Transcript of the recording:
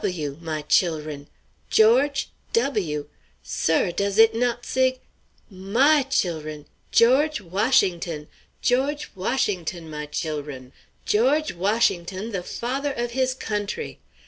"W! my chil'run; George W! Sir, does it not sig My chil'run! George Washington! George Washington, my chil'run! George Washington, the father of his country!